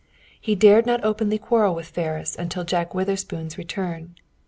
He dared not openly quarrel with Ferris until Jack Witherspoon's return.